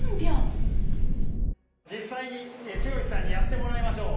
実際に剛さんにやってもらいましょう。